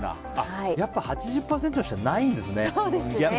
やっぱり、８０％の人はないんですね。